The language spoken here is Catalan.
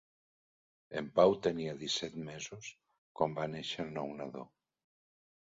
En Pau tenia disset mesos quan va néixer el nou nadó.